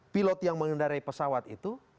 pilot yang mengendarai pesawat itu